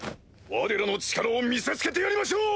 われらの力を見せつけてやりましょう！